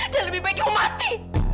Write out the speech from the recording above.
dan lebih baik ibu mati